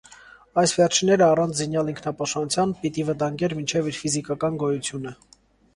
Այս վերջինները, առանց զինեալ ինքնապաշտպանութեան, պիտի վտանգէր մինչեւ իր ֆիզիքական գոյութիւնը։